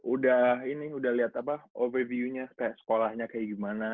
udah ini udah liat apa overview nya kayak sekolahnya kayak gimana